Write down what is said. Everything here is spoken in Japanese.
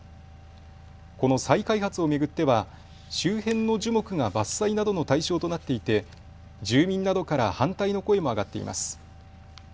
この再開発を巡っては周辺の樹木が伐採などの対象となっていて住民などから反対の声も上がっています。